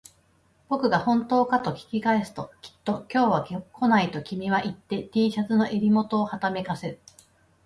僕が本当かと聞き返すと、きっと今日は来ないと君は言って、Ｔ シャツの襟元をはためかせる